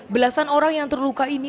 belasan orang yang terluka ini